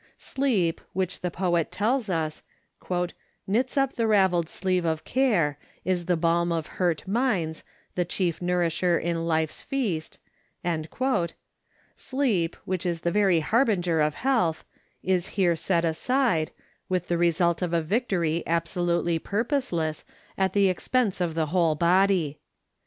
Sleep, which the poet tells us "knits up the ravelled sleeve of care, is the balm of hurt minds, and chief nourisher in Life's feast," sleep, which is the very harbinger of health, is here set aside, with the result of a victory absolutely purposeless, at the expense of the whole body.